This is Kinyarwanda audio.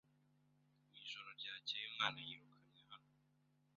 Mu ijoro ryakeye, umwana yirukanwe hano.